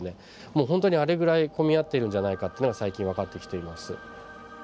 もうほんとにあれぐらい混み合っているんじゃないかっていうのが最近わかってきています。